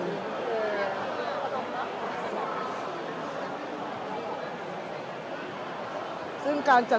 สวัสดีครับ